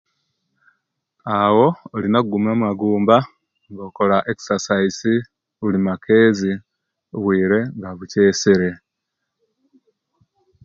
Awo olina okugumiya amagumaba nga okola exercise buli makezi nobwire nga bukyesere